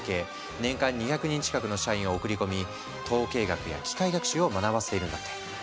年間２００人近くの社員を送り込み統計学や機械学習を学ばせているんだって。